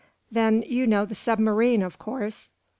"Then you know the submarine, of course?"